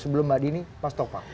sebelum badi ini pak sokpa